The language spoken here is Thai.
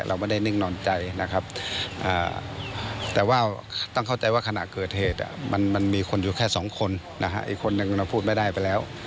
เราก็ต้องเข้าใจว่าขณะเกิดเหตุมันมีคนอยู่แค่๒คนอีกคนนึงพูดไม่ได้ไปแล้ว